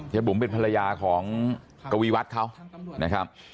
บุ๋มเป็นภรรยาของกวีวัฒน์เขานะครับ